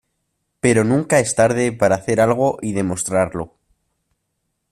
pero nunca es tarde para hacer algo y demostrarlo.